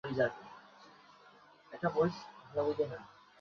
বড় ঠাণ্ডা, একটা ঘরে দরজা বন্ধ করে বসে স্বামীজী তানপুরা ছেড়ে গান ধরলেন।